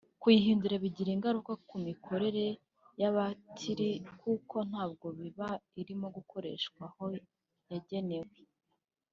Kuyihindura bigira ingaruka ku mikorere ya batiri kuko ntabwo iba irimo gukoreshwa aho yagenewe